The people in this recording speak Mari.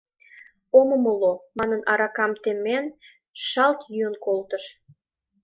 Ом умыло, — манын аракам темен, шалт йӱын колтыш.